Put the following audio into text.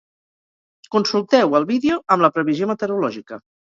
Consulteu el vídeo amb la previsió meteorològica